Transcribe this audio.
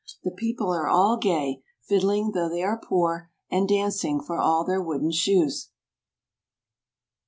The people are all gay, fiddling though they are poor, and dancing, for all their wooden shoes.